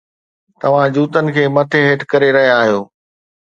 توهان جوتن کي مٿي هيٺ ڪري رهيا آهيو